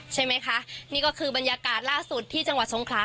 ใช่ไหมคะนี่ก็คือบรรยากาศล่าสุดที่จังหวัดสงขลา